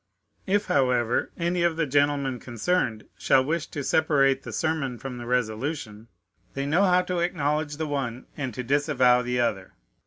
If, however, any of the gentlemen concerned shall wish to separate the sermon from the resolution, they know how to acknowledge the one and to disavow the other.